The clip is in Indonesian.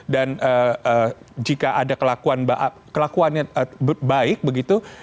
dan jika ada kelakuannya baik begitu